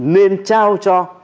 nên trao cho